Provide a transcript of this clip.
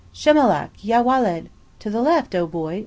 "Shemalak, ya welad!" ("To the left, oh, boy!")